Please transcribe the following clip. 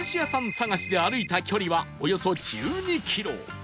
探しで歩いた距離はおよそ１２キロ